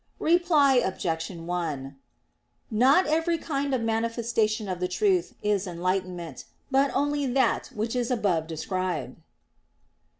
Reply Obj. 1: Not every kind of manifestation of the truth is enlightenment, but only that which is above described.